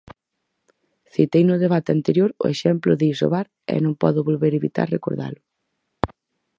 Citei no debate anterior o exemplo de Isobar e non podo volver evitar recordalo.